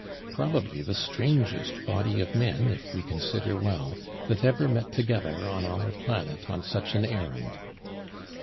Probably the strangest Body of Men, if we consider well, that ever met together on our Planet on such an errand.